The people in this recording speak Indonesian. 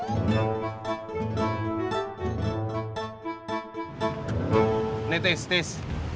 ini tis tis